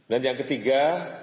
dan yang ketiga